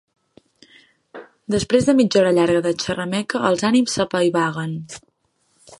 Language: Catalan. Després de mitja hora llarga de xerrameca els ànims s'apaivaguen.